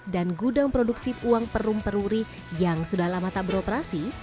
dan gudang produksi uang perum peruri yang sudah lama tak beroperasi